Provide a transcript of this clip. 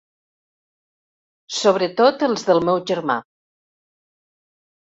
Sobretot els del meu germà.